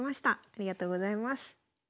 ありがとうございます。